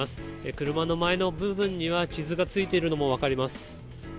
車の前の部分には傷がついているのも分かります。